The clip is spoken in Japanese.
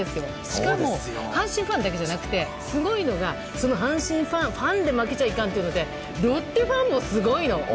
しかも阪神ファンだけじゃなくてすごいのがその阪神ファン、ファンで負けちゃいかんというのでロッテファンもすごいの！